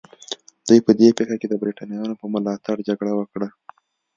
دوی په دې پېښه کې د برېټانویانو په ملاتړ جګړه وکړه.